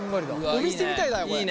お店みたいだよこれ。